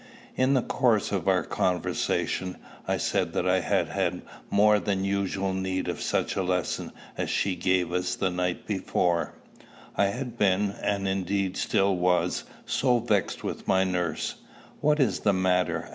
In the course of our conversation, I said that I had had more than usual need of such a lesson as she gave us the night before, I had been, and indeed still was, so vexed with my nurse. "What is the matter?"